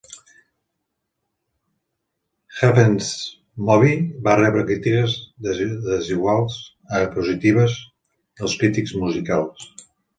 Heaven'z Movie va rebre crítiques de desiguals a positives dels crítics musicals.